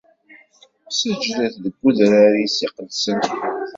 Seǧǧdet deg udrar-is iqedsen.